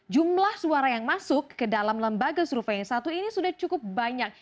jumlah suara yang masuk ke dalam lembaga survei yang satu ini sudah cukup banyak